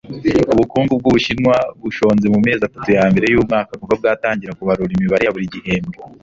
ubukungu bw'Ubushinwa bushonze mu mezi atatu ya mbere y'umwaka kuva bwatangira kubarura imibare ya buri gihembwe